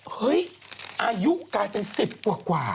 เฮ้ยอายุกลายเป็น๑๐กว่า